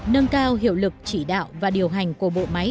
một mươi nâng cao hiệu lực chỉ đạo và điều hòa